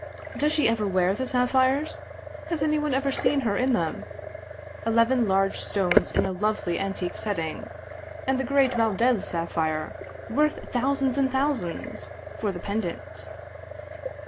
Does she ever wear the sapphires ? Has anyone ever seen her in them ? Eleven large stones in a lovely antique setting, and the great Valdez sapphire — ^worth thousands and thousands — for the pendant."